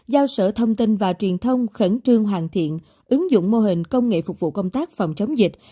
giao sở thông tin và truyền thông khẩn trương hoàn thiện ứng dụng mô hình công nghệ phục vụ công tác phòng chống dịch